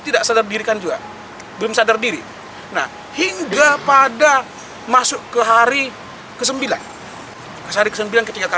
tidak sadar dirikan juga belum sadar diri nah hingga pada masuk ke hari ke sembilan hari ke sembilan ketika